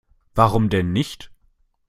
Warum denn nicht?